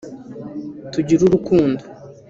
tugire urukundo